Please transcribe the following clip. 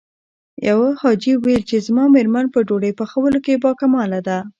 يوه حاجي ويل چې زما مېرمن په ډوډۍ پخولو کې باکماله ده.